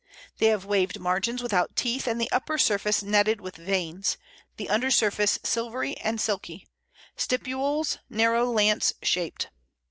They have waved margins without teeth, and the upper surface netted with veins, the under surface silvery and silky; stipules narrow lance shaped.